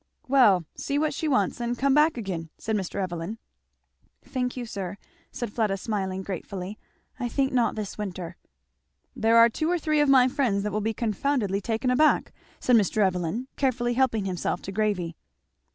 "Well see what she wants, and come back again," said Mr. Evelyn. "Thank you, sir," said Fleda smiling gratefully, "I think not this winter." "There are two or three of my friends that will be confoundedly taken aback," said Mr. Evelyn, carefully helping himself to gravy.